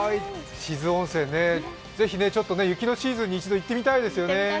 志津温泉、雪のシーズンに行ってみたいですね。